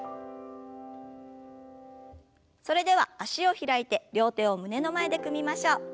それでは脚を開いて両手を胸の前で組みましょう。